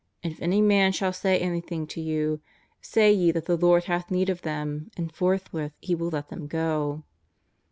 And if any man shall say anything to you, say ye that the Lord hath need of them, and forthwith he will let them go."